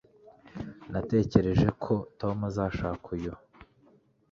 natekereje ko tom azashaka uyu